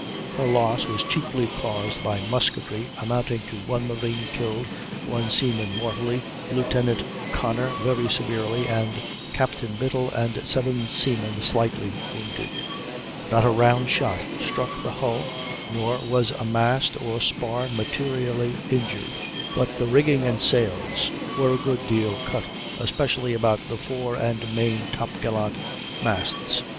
Her loss was chiefly caused by musketry, amounting to 1 marine killed, 1 seaman mortally, Lieutenant Conner very severely, and Captain Biddle and seven seamen slightly, wounded. Not a round shot struck the hull, nor was a mast or spar materially injured, but the rigging and sails were a good deal cut, especially about the fore and main top gallant masts.